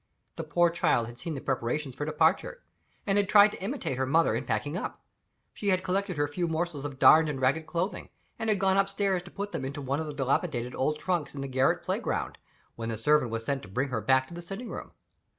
The poor child had seen the preparations for departure, and had tried to imitate her mother in packing up. She had collected her few morsels of darned and ragged clothing, and had gone upstairs to put them into one of the dilapidated old trunks in the garret play ground, when the servant was sent to bring her back to the sitting room.